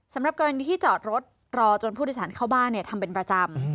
สำหรับกรณีที่จอดรถรอจนผู้โดยสารเข้าบ้านทำเป็นประจำ